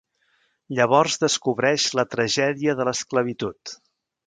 Llavors descobreix la tragèdia de l'esclavitud.